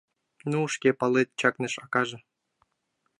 — Ну, шке палет, — чакныш акаже.